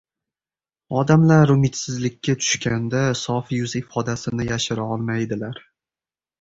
Odamlar umidsizlikka tushganda sof yuz ifodasini yashira olmaydilar.